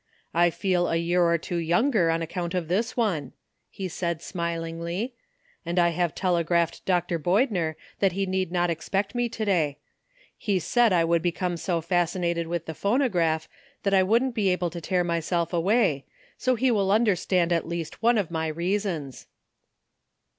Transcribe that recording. *'I feel a year or two younger on account of this one," he said smilingly, "and I have tele graphed Dr. Boydner that he need not expect AT LAST. a«l me to day. He said I would become so fasci nated with the phonograph that I wouldn't be able to tear myself away, so he will understand at least one of my reasons."